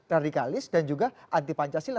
radikalis dan juga anti pancasila